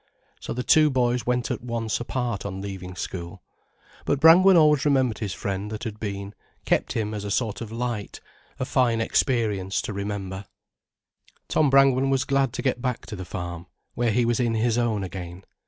So the two boys went at once apart on leaving school. But Brangwen always remembered his friend that had been, kept him as a sort of light, a fine experience to remember. Tom Brangwen was glad to get back to the farm, where he was in his own again.